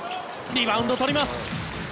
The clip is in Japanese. リバウンド、取ります。